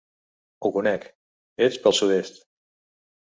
Ho conec, ets pel sud-est.